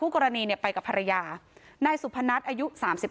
กรณีไปกับภรรยานายสุพนัทอายุ๓๓